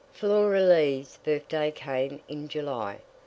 Flora Lee's birthday came in July.